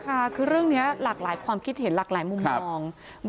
ค่ะคือเรื่องนี้หลากหลายความคิดเห็นหลากหลายมุมมอง